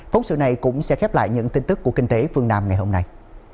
phóng sự này cũng sẽ khép lại những tin tức của kinh tế phương nam ngày hôm nay